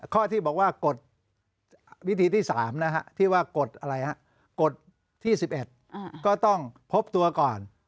ข้อที่บอกว่ากฎวิธีที่๓นะฮะที่ว่ากฎอะไรฮะกฎที่๑๑ก็ต้องพบตัวก่อน